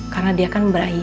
karna dia kan berai